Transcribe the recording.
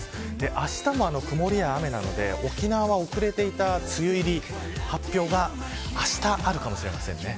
あしたも曇りや雨なので沖縄は遅れていた梅雨入り発表があした、あるかもしれませんね。